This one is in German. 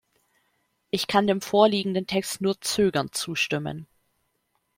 Ich kann dem vorliegenden Text nur zögernd zustimmen.